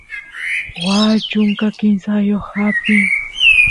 waa chunka kimsayoq apin